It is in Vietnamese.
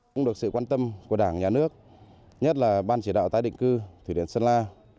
cũng được sự quan tâm của đảng nhà nước nhất là ban chỉ đạo tái định cư thủy điện sơn la